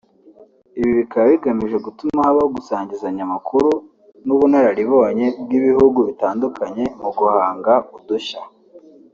Ibi bikaba bigamije gutuma habaho gusangizanya amakuru n’ubunararibonye bw’ibihugu bitandukanye mu guhanga udushya